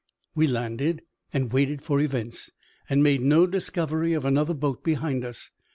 We landed, and waited for events, and made no discovery of another boat behind us.